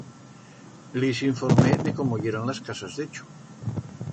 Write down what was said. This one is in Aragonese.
Li s'informé de cómo yeran las casas d'Echo.